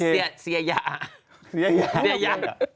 เรียยะ